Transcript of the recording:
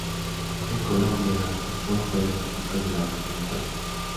En Colombia, el poncho es típico de la Región Paisa.